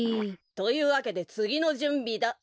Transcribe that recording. というわけでつぎのじゅんびだ。